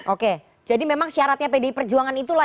oke jadi memang syaratnya pdi perjuangan itulah